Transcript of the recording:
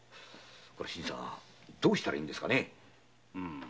新さんどうしたらいいですかね？